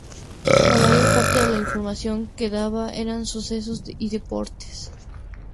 La mayor parte de la información que daba eran sucesos y deportes.